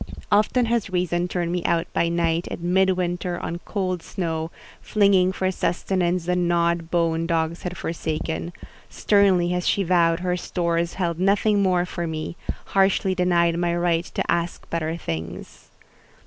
Often has Reason turned me out by night, in mid winter, on cold snow, flinging for sustenance the gnawed bone dogs had forsaken: sternly has she vowed her stores held nothing more for me—harshly denied my right to ask better things….